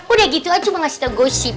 udah gitu aja cuma ngasih tahu gosip